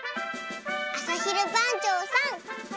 あさひるばんちょうさん。